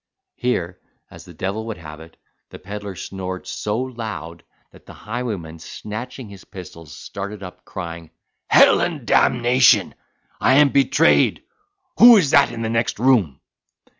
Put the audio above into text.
Here, as the devil would have it, the pedlar snored so loud, that the highwayman, snatching his pistols, started up, crying, "Hell and d n n! I am betrayed! Who's that in the next room?"